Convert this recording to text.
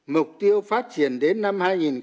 mục tiêu phát triển đến năm hai nghìn hai mươi năm